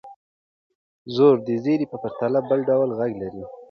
زور د زېر په پرتله بل ډول غږ لري.